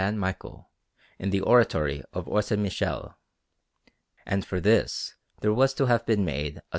Michael, in the Oratory of Orsanmichele, and for this there was to have been made a S.